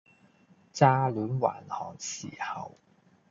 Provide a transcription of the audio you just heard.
乍煖還寒時候，